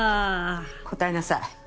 答えなさい。